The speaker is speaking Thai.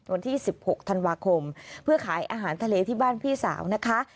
วันที่๑๖ธันวาคมเพื่อขายอาหารทะเลที่บ้านพี่สาวนะคะ